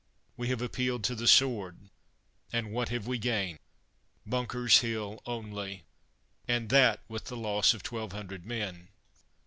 We have appealed to the sword, and what have we gained? Bunker's Hill only — and that with the Loss of twelve hundred men